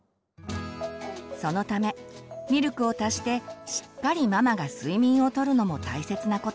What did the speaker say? そのためミルクを足してしっかりママが睡眠をとるのも大切なこと。